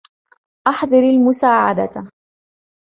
أحضِر المُساعدة.